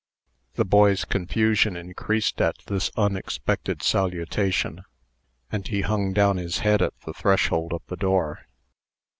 The boy's confusion increased at this unexpected salutation, and he hung down his head at the threshold of the door.